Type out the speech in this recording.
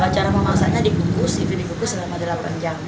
cara memasaknya dibungkus selama delapan jam